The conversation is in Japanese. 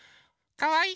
かわいい。